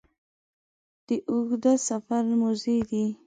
د اوږده سفر موزې دي